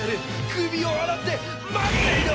首を洗って待っていろ！